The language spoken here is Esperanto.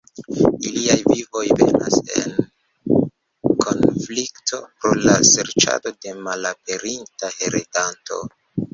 Iliaj vivoj venas en konflikto pro la serĉado de malaperinta heredanto.